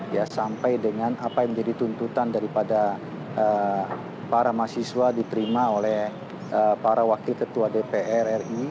ya sampai dengan apa yang menjadi tuntutan daripada para mahasiswa diterima oleh para wakil ketua dpr ri